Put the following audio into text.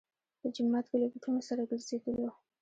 په جومات کې له بوټونو سره ګرځېدلو.